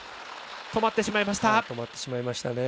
止まってしまいました。